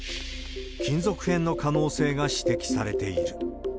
金属片の可能性が指摘されている。